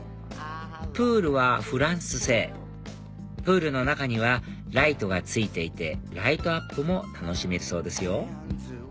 プールはフランス製プールの中にはライトが付いていてライトアップも楽しめるそうですよ